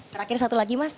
terakhir satu lagi mas